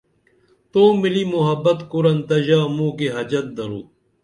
تو ملی محبت کُرن تہ ژا موں کی حجت درو